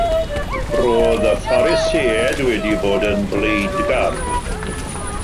Roedd y Phariseaid wedi bod yn bleidgar.